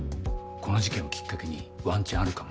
この事件をきっかけにワンチャンあるかも。